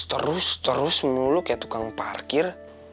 terus terus mulu kayak tukang parkir